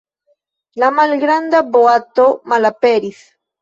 La malgranda boato malaperis!